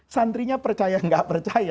santrinya percaya atau tidak